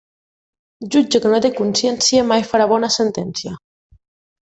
Jutge que no té consciència, mai farà bona sentència.